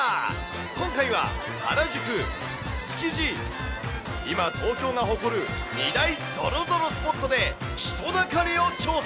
今回は原宿、築地、今、東京が誇る２大ぞろぞろスポットで、人だかりを調査。